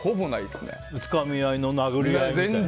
つかみ合い、殴り合いも？